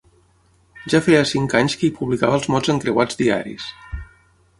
Ja feia cinc anys que hi publicava els mots encreuats diaris.